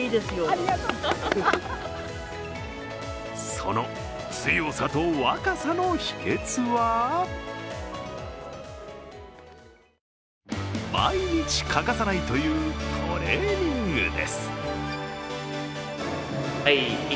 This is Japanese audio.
その強さと若さの秘訣は毎日欠かさないというトレーニングです。